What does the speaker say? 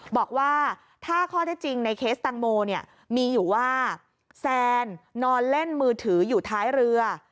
บอกว่าถ้าข้อได้จริงในเคสตังโมเนี่ยมีอยู่ว่าแซนนอนเล่นมือถืออยู่ท้ายเรือ